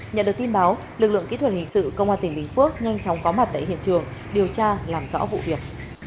nhận được tin báo lực lượng kỹ thuật hình sự công an tỉnh bình phước nhanh chóng có mặt tại hiện trường điều tra làm rõ vụ việc